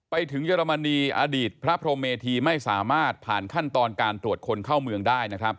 ไปถึงเยอรมนีอดิษฐ์พระพรหมเมธีไม่สามารถผ่านขั้นตอนการตรวจคนเข้าเมืองได้